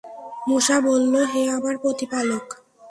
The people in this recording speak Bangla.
মূসা বলল, হে আমার প্রতিপালক!